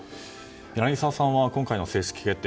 柳澤さんは今回の正式決定